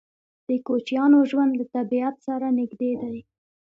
د کوچیانو ژوند له طبیعت سره نږدې دی.